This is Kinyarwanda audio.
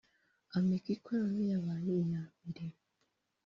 Ameki Color yabaye iya mbere